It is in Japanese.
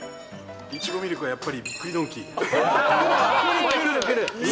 イチゴミルクはやっぱりびっくりドンキー。